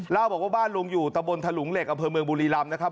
เล่าบอกว่าบ้านลุงอยู่ตะบนถลุงเหล็กอำเภอเมืองบุรีรำนะครับ